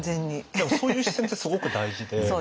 でもそういう視点ってすごく大事で。